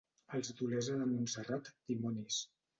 Els d'Olesa de Montserrat, dimonis.